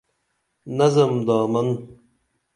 نظم دامن